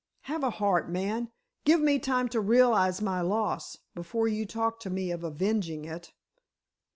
Have a heart, man, give me time to realize my loss, before you talk to me of avenging it!"